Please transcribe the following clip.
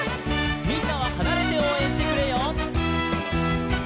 「みんなははなれておうえんしてくれよ」